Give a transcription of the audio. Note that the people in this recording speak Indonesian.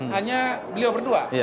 hanya beliau berdua